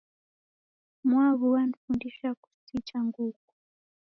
Mwaw'u wanifundisha kusicha nguku.